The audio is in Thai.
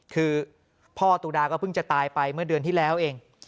คือพ่อตุดาก็เพิ่งจะตายไปเมื่อเดือนที่แล้วเอง